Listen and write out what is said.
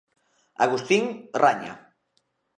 Agustín Raña.